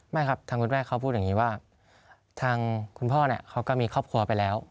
ไม่ครับทางคุณแม่เขาพูดอย่างนี้ว่าทางคุณพ่อเนี่ยเขาก็มีครอบครัวไปแล้ว